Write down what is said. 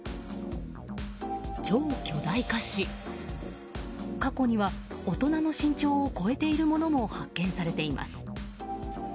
超巨大化し過去には大人の身長を超えているものも発見されています。